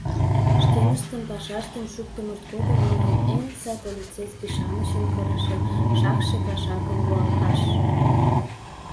— Шкеныштын пашаштым шуктымышт годым мыйын эн сай полицейский-шамычым кырыше шакше кашакым руалташ!